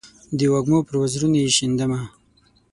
د وږمو پر وزرونو یې شیندمه